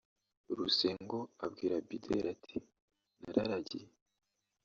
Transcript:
Rusengo abwira Bideri ati “Nararagiye